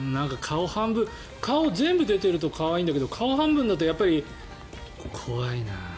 顔が全部出てると可愛いんだけど顔半分だと怖いな。